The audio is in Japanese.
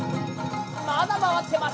まだ回ってます！